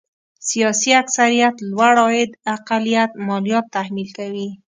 سیاسي اکثريت لوړ عاید اقلیت ماليات تحمیل کوي.